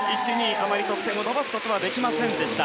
あまり得点を伸ばすことはできませんでした。